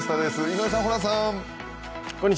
井上さん、ホランさん。